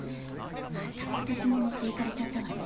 また今年も持っていかれちゃったわね。